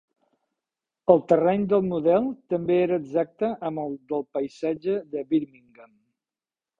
El terreny del model també era exacte amb el del paisatge de Birmingham.